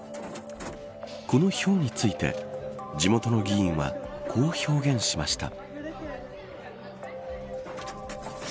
このひょうについて地元の議員はこう表現しました。